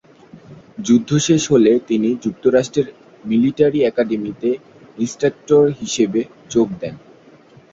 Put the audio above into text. যুদ্ধ শেষ হলে তিনি যুক্তরাষ্ট্র মিলিটারি একাডেমীতে ইন্সট্রাক্টর হিসেবে যোগ দেন।